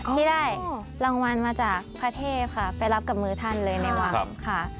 ที่ได้รางวัลมาจากพระเทพค่ะไปรับกับมือท่านเลยในวังค่ะ